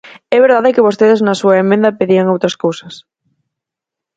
É verdade que vostedes na súa emenda pedían outras cousas.